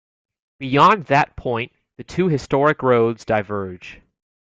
Beyond that point, the two historic roads diverge.